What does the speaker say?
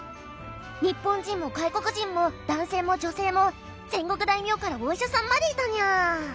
日本人も外国人も男性も女性も戦国大名からお医者さんまでいたにゃ。